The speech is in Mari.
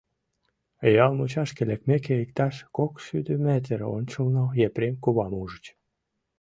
Ял мучашке лекмеке, иктаж кокшӱдӧ метр ончылно, Епрем кувам ужыч.